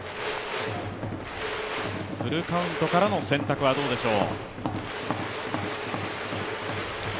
フルカウントからの選択はどうでしょう。